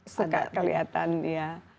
oh enggak kelihatan ya